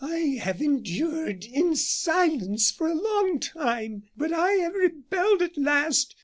I have endured in silence for a long time, but I have rebelled at last.